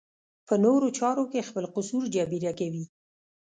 په نورو چارو کې خپل قصور جبېره کوي.